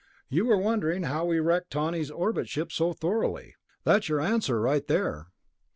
"You were wondering how we wrecked Tawney's orbit ship so thoroughly. That's your answer right there."